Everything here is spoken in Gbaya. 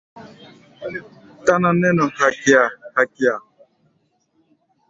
Táná nɛ́ nɔ hakia-hakia.